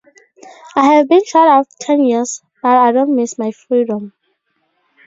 I have been shut up ten years, but I don't miss my freedom.